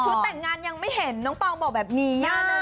แต่งงานยังไม่เห็นน้องเปล่าบอกแบบนี้